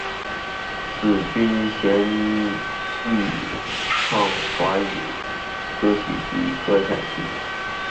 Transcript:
紫君兼擅演唱华语歌曲及歌仔戏。